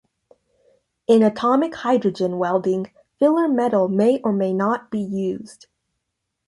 In atomic hydrogen welding, filler metal may or may not be used.